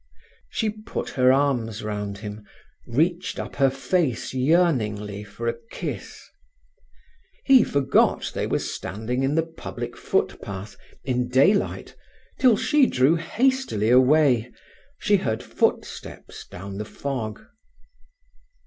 She put her arms round him reached up her face yearningly for a kiss. He forgot they were standing in the public footpath, in daylight, till she drew hastily away. She heard footsteps down the fog.